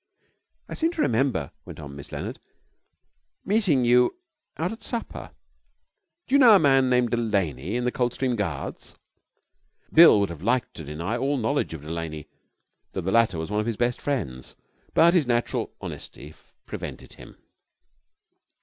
'I seem to remember,' went on Miss Leonard, 'meeting you out at supper. Do you know a man named Delaney in the Coldstream Guards?' Bill would have liked to deny all knowledge of Delaney, though the latter was one of his best friends, but his natural honesty prevented him.